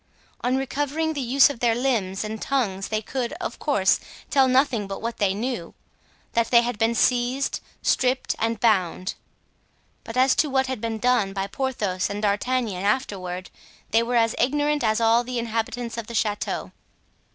On recovering the use of their limbs and tongues they could, of course, tell nothing but what they knew—that they had been seized, stripped and bound. But as to what had been done by Porthos and D'Artagnan afterward they were as ignorant as all the inhabitants of the chateau.